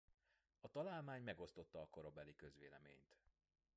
A találmány megosztotta a korabeli közvéleményt.